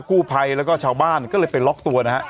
กู่ภัยเพื่อก็ชาวบ้านก็เลยล็อคตัวนะฮะ